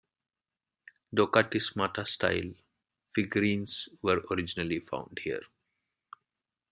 'Dokathismata style' figurines were originally found here.